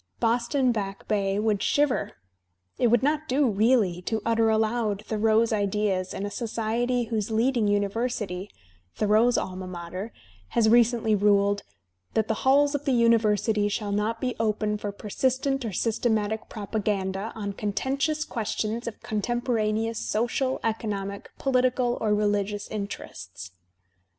Boston Back Bay would shiver! It would not do, really, to utter aloud Thoreau's ideas in a society whose leading university, Thoreau's alma mater, has recently ruled, "tl^^t the halls of the university shall not be open for persistent or systematic i}k)paganda on contentious questions of contemporaneous social, eco nomic, poKtical or religious interests."